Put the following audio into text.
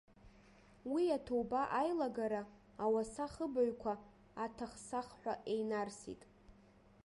Уи аҭоуба аилагара, ауаса хыбаҩқәа атахсахҳәа еинарсит.